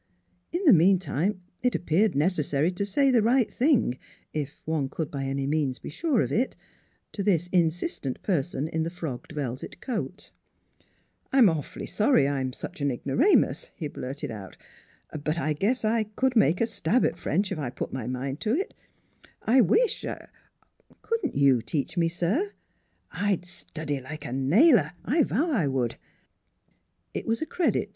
In the meantime it appeared necessary to say the right thing if one could by any means be sure of it to this in sistent person in the frogged velvet coat. " I'm awfully sorry I'm such an ignoramus," he blurted out. " But I guess I could make a stab at French if I put my mind to it. I wish I Couldn't you teach me, sir! I'd study like a nailer. I vow I would !" NEIGHBORS 141 It was a credit to M.